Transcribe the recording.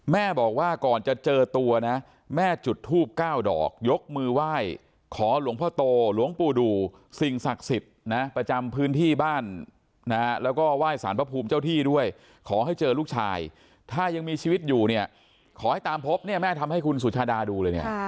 แม่บอกว่าก่อนจะเจอตัวนะแม่จุดทูบ๙ดอกยกมือไหว้ขอหลวงพ่อโตหลวงปู่ดูสิ่งศักดิ์สิทธิ์นะประจำพื้นที่บ้านนะแล้วก็ไหว้สารพระภูมิเจ้าที่ด้วยขอให้เจอลูกชายถ้ายังมีชีวิตอยู่เนี่ยขอให้ตามพบเนี่ยแม่ทำให้คุณสุชาดาดูเลยเนี่ย